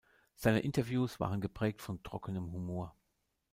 Seine Interviews waren geprägt von trockenem Humor.